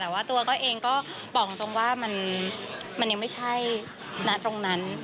แต่ว่าตัวก็เองก็บอกตรงว่ามันยังไม่ใช่ณตรงนั้น